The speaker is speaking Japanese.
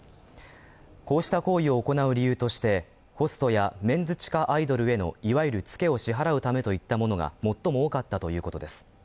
こうした行為を行う理由としてホストやメンズ地下アイドルへのいわゆるツケを支払うためといったものが最も多かったということです。